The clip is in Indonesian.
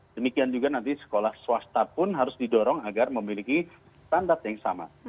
demikian juga nanti sekolah swasta pun harus didorong agar memiliki standar yang sama